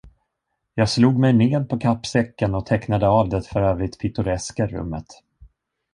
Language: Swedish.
Jag slog mig ned på kappsäcken och tecknade av det för övrigt pittoreska rummet.